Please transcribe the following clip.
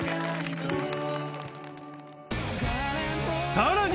さらに！